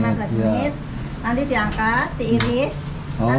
nanti diangkat diiris nanti rebus lagi